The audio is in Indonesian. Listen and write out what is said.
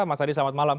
mas adi selamat malam